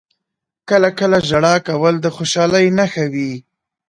• کله کله ژړا کول د خوشحالۍ نښه وي.